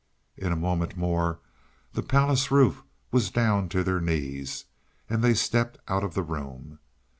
In a moment more the palace roof was down to their knees, and they stepped out of the room.